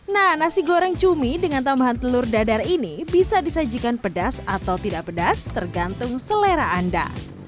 nah nasi goreng cumi dengan tambahan telur dadar ini bisa disajikan pedas atau tidak pedas tergantung selera anda